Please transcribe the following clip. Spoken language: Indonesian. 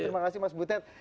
terima kasih mas butet